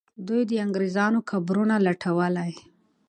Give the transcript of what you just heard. دوی د انګریزانو قبرونه لټولې.